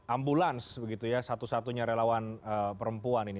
ambulans begitu ya satu satunya relawan perempuan ini